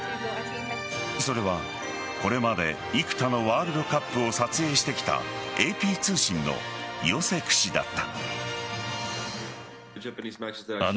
それはこれまで幾多のワールドカップを撮影してきたＡＰ通信のヨセク氏だった。